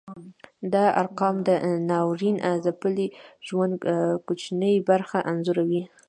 دا ارقام د ناورین ځپلي ژوند کوچنۍ برخه انځوروي.